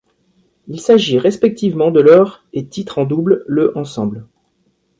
Il s'agit respectivement de leur et titre en double, le ensemble.